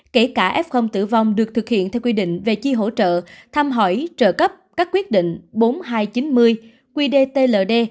kể cả f tử vong được thực hiện theo quy định về chi hỗ trợ thăm hỏi trợ cấp các quyết định bốn nghìn hai trăm chín mươi qdtld